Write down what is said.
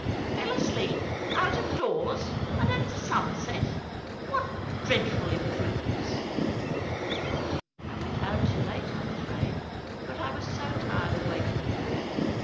" Fell asleep — out of doors— and at sunset ! What dreadful imprudence." " I went out too late, I'm afraid ; but I was so tired of waiting for you.